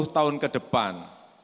dua puluh tahun ke depan